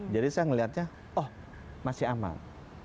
jadi saya melihatnya oh masih aman